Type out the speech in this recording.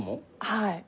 はい。